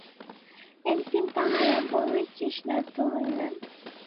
একদিন তাঁহারা বড়ই তৃষ্ণার্ত হইলেন।